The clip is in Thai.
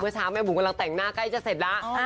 เช้าแม่บุ๋มกำลังแต่งหน้าใกล้จะเสร็จแล้ว